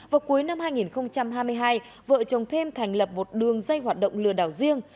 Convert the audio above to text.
vào cuối năm hai nghìn hai mươi hai vợ chồng thêm thành lập một đường dây hoạt động lừa đảo riêng